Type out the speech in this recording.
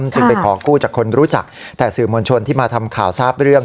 จึงไปขอกู้จากคนรู้จักแต่สื่อมวลชนที่มาทำข่าวทราบเรื่อง